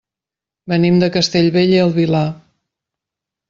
Venim de Castellbell i el Vilar.